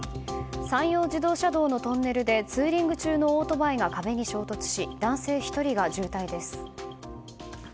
山陽自動車道のトンネルでツーリング中のオートバイが壁に衝突し、男性１人が重体です。